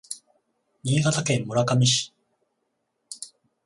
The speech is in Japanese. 新潟県村上市